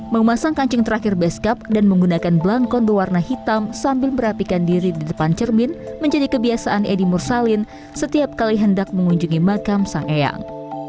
memasang kancing terakhir beskap dan menggunakan belangkon berwarna hitam sambil merapikan diri di depan cermin menjadi kebiasaan edi mursalin setiap kali hendak mengunjungi makam sang eyang